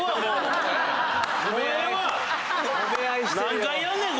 何回やんねん